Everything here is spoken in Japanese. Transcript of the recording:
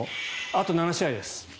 あと７試合です。